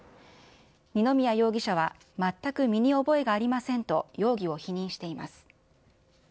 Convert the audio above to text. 二宮容疑者は全く身に覚えがありませんと、容疑を否認しています。